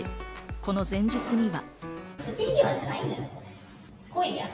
この前日には。